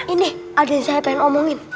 ini ada yang saya pengen omongin